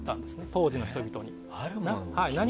当時の人々から。